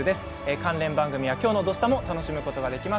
関連番組や今日の「土スタ」も楽しむことができます。